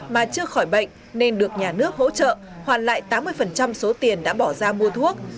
mà chưa khỏi bệnh nên được nhà nước hỗ trợ hoàn lại tám mươi số tiền đã bỏ ra mua thuốc